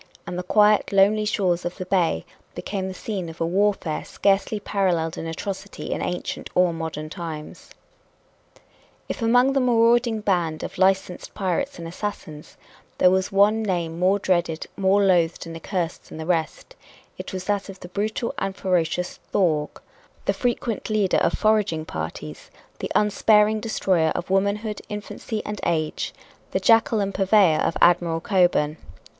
And the quiet, lonely shores of the bay became the scene of a warfare scarcely paralleled in atrocity in ancient or modern times. If among the marauding band of licensed pirates and assassins there was one name more dreaded, more loathed and accursed than the rest, it was that of the brutal and ferocious Thorg the frequent leader of foraging parties, the unsparing destroyer of womanhood, infancy and age, the jackal and purveyor of Admiral Cockburn.